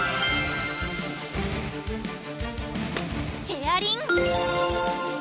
シェアリン！